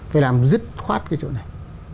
phải làm dứt khoát cái chỗ này